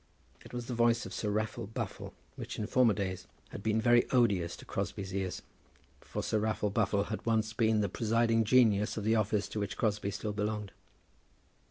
It was the voice of Sir Raffle Buffle, which in former days had been very odious to Crosbie's ears; for Sir Raffle Buffle had once been the presiding genius of the office to which Crosbie still belonged.